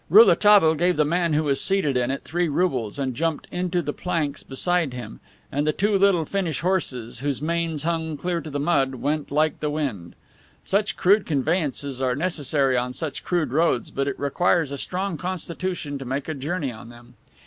Rouletabille gave the man who was seated in it three roubles, and jumped into the planks beside him, and the two little Finnish horses, whose manes hung clear to the mud, went like the wind. Such crude conveyances are necessary on such crude roads, but it requires a strong constitution to make a journey on them.